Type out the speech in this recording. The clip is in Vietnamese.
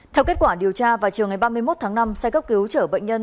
theo kết quả điều tra vào chiều ngày ba mươi một tháng năm xe cấp cứu chở bệnh nhân